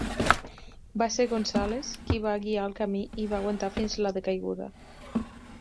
Va ser Gonzalez qui va guiar el camí i va aguantar fins la decaiguda.